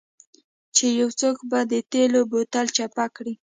چې یو څوک به د تیلو بوتل چپه کړي